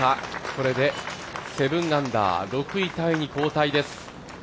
これで７アンダー、６位タイに後退です。